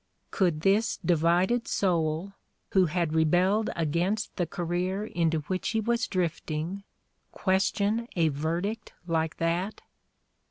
'' Could this divided soul, who had rebelled against the career into which he was drifting, question a verdict like that